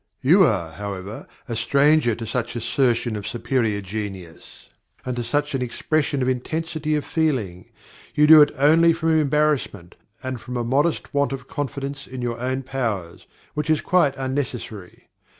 You are, however, a stranger to such assertion of superior genius, and to such an expression of intensity of feeling; you do it only from embarrassment, and from a modest want of confidence in your own powers, which is quite unnecessary.